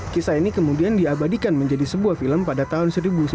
kisah ini kemudian diabadikan menjadi sebuah film pada tahun seribu sembilan ratus sembilan puluh